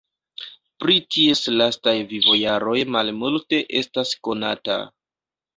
Pri ties lastaj vivojaroj malmulte estas konata.